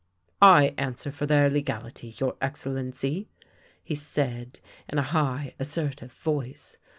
" I answer for their legality, your Excellency," he said, in a high, assertive voice.